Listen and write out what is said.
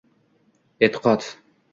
E’tiqod.